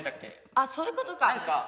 あそういうことか！